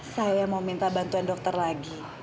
saya mau minta bantuan dokter lagi